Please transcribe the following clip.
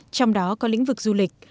trong đó có lĩnh vực du lịch